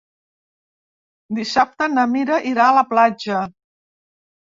Dissabte na Mira irà a la platja.